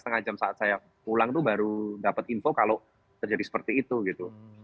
setengah jam saat saya pulang itu baru dapat info kalau terjadi seperti itu gitu